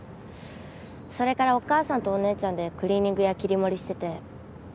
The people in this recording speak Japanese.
それからお母さんとお姉ちゃんでクリーニング屋切り盛りしてて。